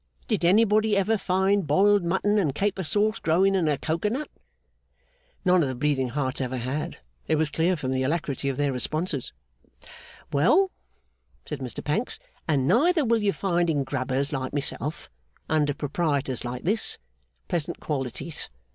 Did anybody ever find boiled mutton and caper sauce growing in a cocoa nut?' None of the Bleeding Hearts ever had, it was clear from the alacrity of their response. 'Well,' said Mr Pancks, 'and neither will you find in Grubbers like myself, under Proprietors like this, pleasant qualities.